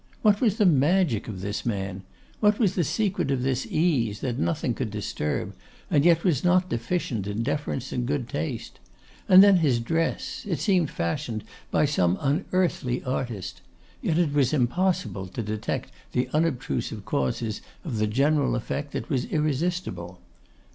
What was the magic of this man? What was the secret of this ease, that nothing could disturb, and yet was not deficient in deference and good taste? And then his dress, it seemed fashioned by some unearthly artist; yet it was impossible to detect the unobtrusive causes of the general effect that was irresistible.